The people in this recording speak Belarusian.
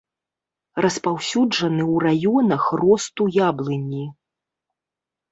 Распаўсюджаны ў раёнах росту яблыні.